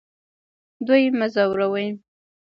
دوی مه ځوروئ